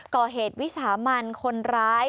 ก่อเหตุวิชามันคนร้าย